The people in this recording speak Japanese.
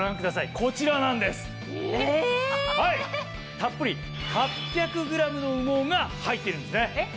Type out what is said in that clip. たっぷり８００ｇの羽毛が入ってるんですね。